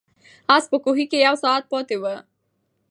آس په کوهي کې یو ساعت پاتې و.